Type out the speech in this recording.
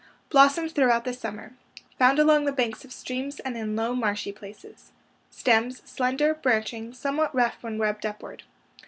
Blossoms throughout the summer. Found along the banks of streams and in low, marshy places. Stems — slender, branching, somewhat rough when rubbed upward.